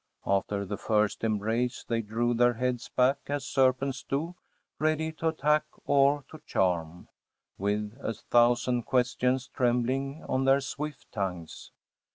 After the first embrace they drew their heads back as serpents do, ready to attack or to charm, with a thousand questions trembling on their swift tongues.